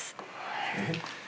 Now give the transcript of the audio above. えっ？